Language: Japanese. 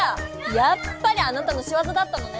やっぱりあなたのしわざだったのね！